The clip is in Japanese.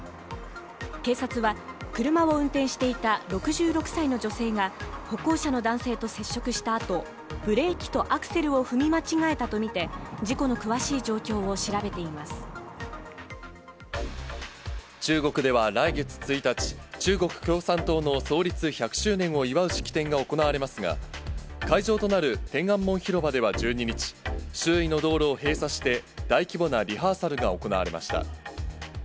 警察は、車を運転していた６６歳の女性が歩行者の男性と接触したあと、ブレーキとアクセルを踏み間違えたと見て、事故の詳しい状況を調中国では来月１日、中国共産党の創立１００周年を祝う式典が行われますが、会場となる天安門広場では１２日、周囲の道路を閉鎖して、大規模なリハーサルが行われました。